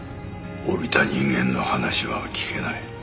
降りた人間の話は聞けない。